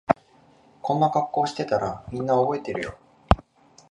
こんな格好してたらみんな覚えてるよ